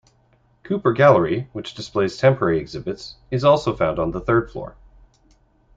Cooper Gallery, which displays temporary exhibits, is also found on the third floor.